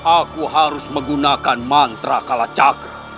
aku harus menggunakan mantra kalacakra